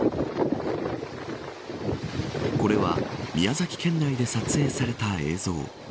これは宮崎県内で撮影された映像。